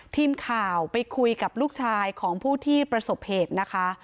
ทีมข่าวไปคุยกับลูกชายของผู้ที่ประสบเหตุนะคะ